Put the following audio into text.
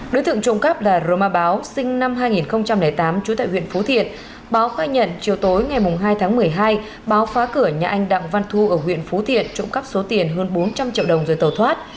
đối tượng trộm cắp là roma báo sinh năm hai nghìn tám trú tại huyện phú thiện báo khai nhận chiều tối ngày hai tháng một mươi hai báo phá cửa nhà anh đặng văn thu ở huyện phú thiện trộm cắp số tiền hơn bốn trăm linh triệu đồng rồi tàu thoát